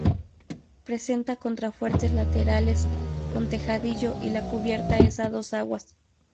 Presenta contrafuertes laterales con tejadillo y la cubierta es a dos aguas.